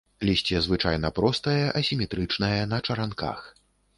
Лісце звычайна простае, асіметрычнае, на чаранках.